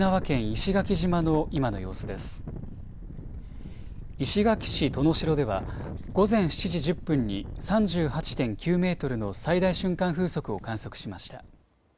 石垣市登野城では午前７時１０分に３８．９メートルの最大瞬間風速を観測しました。